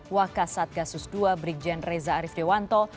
wakas satgasus ii brigjen reza arif dewanto